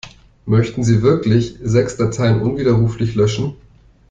Möchten Sie wirklich sechs Dateien unwiderruflich löschen?